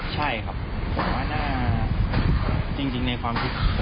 ใช่ครับผมว่าน่าจริงในความคิด